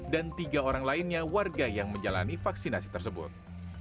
dan tiga orang lainnya warga yang menjalani vaksinasi tersebut